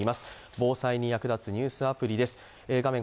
防災に役立つニュースアプリです。